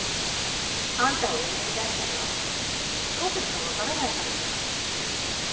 あんたを嫁に出したらどうするか分からないからさ。